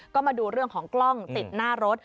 ก็มาดูเรื่องของกล้องติดหน้ารถ